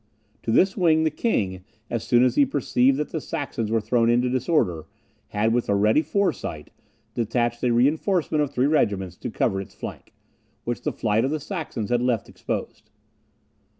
To this wing the king, as soon as he perceived that the Saxons were thrown into disorder, had, with a ready foresight, detached a reinforcement of three regiments to cover its flank, which the flight of the Saxons had left exposed.